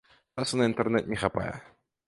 Часу на інтэрнэт не хапае.